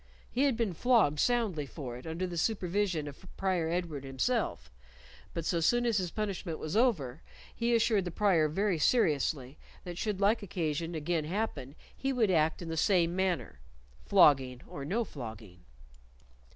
He had been flogged soundly for it under the supervision of Prior Edward himself; but so soon as his punishment was over, he assured the prior very seriously that should like occasion again happen he would act in the same manner, flogging or no flogging.